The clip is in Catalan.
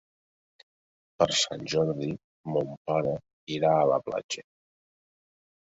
Per Sant Jordi mon pare irà a la platja.